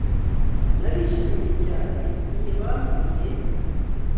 narishimye cyane igihe bambwiye